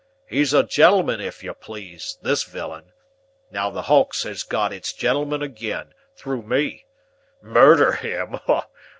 He's a gentleman, if you please, this villain. Now, the Hulks has got its gentleman again, through me. Murder him?